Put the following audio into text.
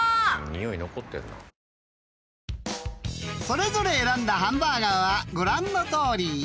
［それぞれ選んだハンバーガーはご覧のとおり］